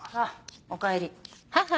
おかえり。